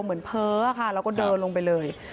เหมือนเพ้อค่ะแล้วก็เดินลงไปเลย